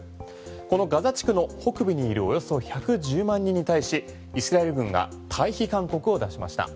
このガザ地区の北部にいるおよそ１１０万人に対しイスラエル軍が退避勧告を出しました。